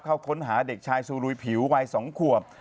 เข้าค้นหาเด็กชายซูลุยผิววัย๒ขวบ